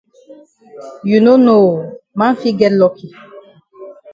You no know oo man fit get lucky.